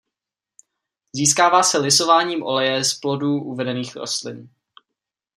Získává se lisováním oleje z plodů uvedených rostlin.